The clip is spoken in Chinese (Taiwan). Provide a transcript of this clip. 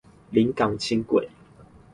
臨港輕軌